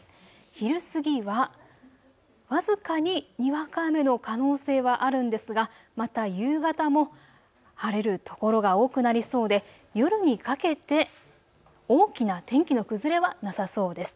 昼過ぎは僅かににわか雨の可能性はあるんですがまた夕方も晴れる所が多くなりそうで夜にかけて大きな天気の崩れはなさそうです。